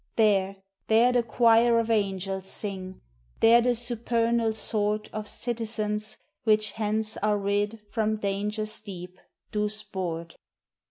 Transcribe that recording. There, there the choir of angels sing There the supernal sort Of citizens, which hence are rid From dangers deep, do sport.